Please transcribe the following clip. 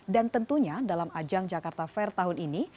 dan tentunya dalam ajang jakarta fair tahun ini